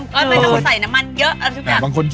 กูทวงใส่น้ำมันเยอะ